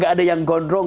gak ada yang gondrong